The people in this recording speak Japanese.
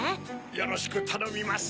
よろしくたのみます！